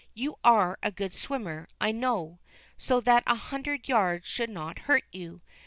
You are a good swimmer, I know, so that a hundred yards should not hurt you.